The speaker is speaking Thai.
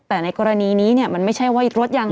แต่ในกรณีนี้มันไม่ใช่ว่ารถยังไง